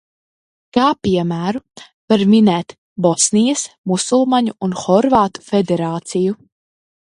Kā piemēru var minēt Bosnijas Musulmaņu un horvātu federāciju.